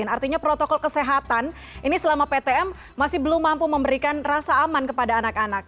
artinya protokol kesehatan ini selama ptm masih belum mampu memberikan rasa aman kepada anak anak